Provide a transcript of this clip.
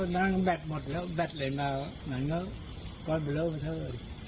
นั่งแบบหมดแล้วแบบเลยมามันก็ก็เล่าไปเถอะ